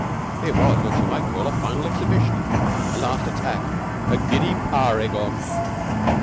It was what you might call a final exhibition a last attack a giddy par ergon."